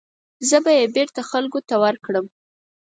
زه به یې بېرته خلکو ته ورکړم.